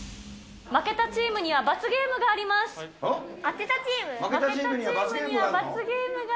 負けたチームには罰ゲームが負けたチーム？